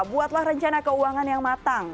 buatlah rencana keuangan yang matang